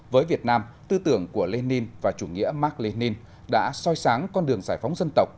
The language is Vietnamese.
với việt nam tư tưởng của lenin và chủ nghĩa mark lenin đã soi sáng con đường giải phóng dân tộc